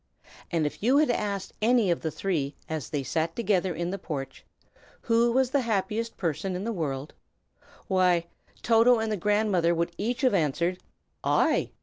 And if you had asked any of the three, as they sat together in the porch, who was the happiest person in the world, why, Toto and the Grandmother would each have answered, "I!"